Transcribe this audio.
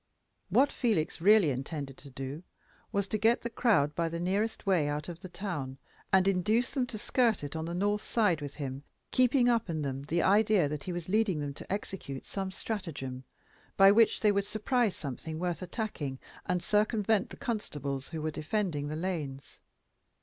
What Felix really intended to do, was to get the crowd by the nearest way out of the town, and induce them to skirt it on the north side with him, keeping up in them the idea that he was leading them to execute some stratagem, by which they would surprise something worth attacking, and circumvent the constables who were defending the lanes.